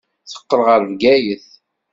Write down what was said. Teqqel ɣer Bgayet.